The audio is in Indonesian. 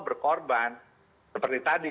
berkorban seperti tadi